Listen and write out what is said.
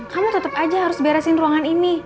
kamu tetap aja harus beresin ruangan ini